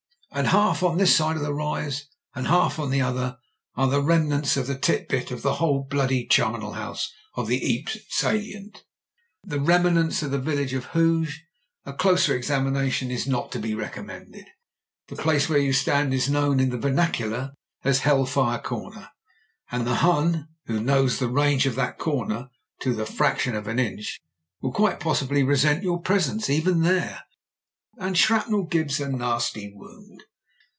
And half on this side of the rise, and half on the other, there are the remnants of the tit bit of the whole bloody charnel house of the Ypres salient — ^the remnants of the village of Hooge. A closer ex amination is not to be recommended. The place where you stand is known in the vernacular as Hell Fire Comer, and the Hun — ^who knows the range of that comer to the fraction of an inch — will quite possibly resent your presence even there. And shrapnel gives a nasty wound.